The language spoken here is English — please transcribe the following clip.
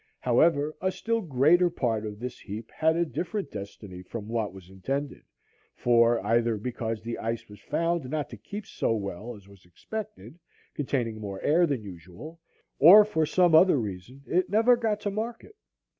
However, a still greater part of this heap had a different destiny from what was intended; for, either because the ice was found not to keep so well as was expected, containing more air than usual, or for some other reason, it never got to market.